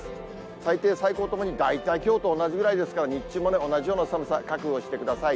最低、最高ともに大体きょうと同じぐらいですから、日中もね、同じような寒さ覚悟してください。